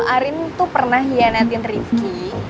arin tuh pernah hianatin rifki